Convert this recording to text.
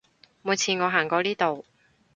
每次我行過呢度